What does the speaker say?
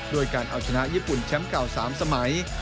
ด้วยการเอาชนะญี่ปุ่นแชมป์เก่า๓สมัย